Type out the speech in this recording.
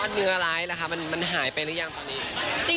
ก็เนื้ออะไรแหละคะมันหายไปหรือยังตอนนี้